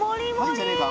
入んじゃねえか？